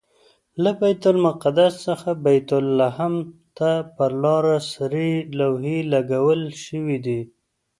له بیت المقدس څخه بیت لحم ته پر لاره سرې لوحې لګول شوي دي.